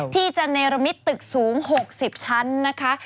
ที่จะเนรมิตตึกสูง๖๐ชั้นนะคะ